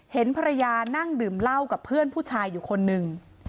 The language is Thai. เห็นภรรยานั่งดื่มเหล้ากับเพื่อนผู้ชายอยู่คนหนึ่ง